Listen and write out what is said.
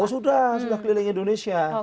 oh sudah sudah keliling indonesia